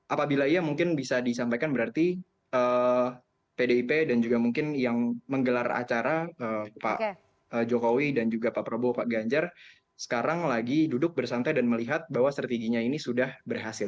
apabila iya mungkin bisa disampaikan berarti pdip dan juga mungkin yang menggelar acara pak jokowi dan juga pak prabowo pak ganjar sekarang lagi duduk bersantai dan melihat bahwa strateginya ini sudah berhasil